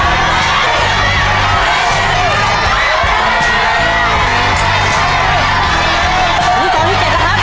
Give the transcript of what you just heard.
อันนี้กล่องที่๗ละครับ